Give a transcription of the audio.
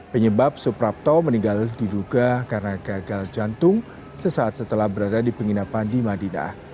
penyebab suprapto meninggal diduga karena gagal jantung sesaat setelah berada di penginapan di madinah